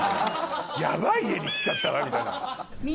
ヤバい家に来ちゃったわみたいな。